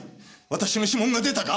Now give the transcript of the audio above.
私の指紋が出たか？